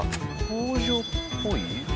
工場っぽい？